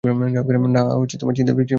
না, চিনতে পায় নি।